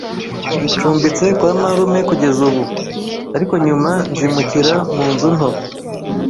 Ncumbitse kwa marume kugeza ubu, ariko nyuma nzimukira mu nzu nto.